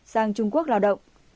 sang trung quốc lao động